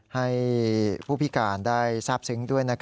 ให้ผู้พิการได้ทราบซึ้งด้วย